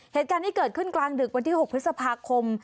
เหตุการณ์ที่เกิดขึ้นกลางดึกวันที่๖พฤษภาคม